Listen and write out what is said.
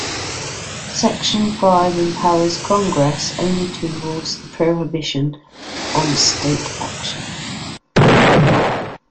Section five empowers Congress only to enforce the prohibition on state action.